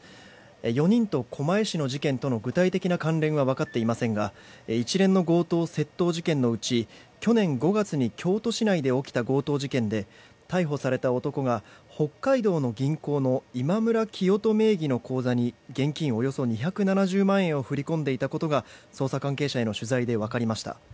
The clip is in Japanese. ４人と狛江市の事件との具体的な関連は分かっていませんが一連の強盗・窃盗事件のうち去年５月に京都市内で起きた強盗事件で逮捕された男が北海道の銀行のイマムラ・キヨト名義の口座に現金およそ２７０万円を振り込んでいたことが捜査関係者への取材で分かりました。